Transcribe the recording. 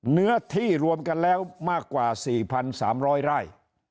เนื้อที่รวมกันแล้วมากกว่า๔๓๐๐ไร่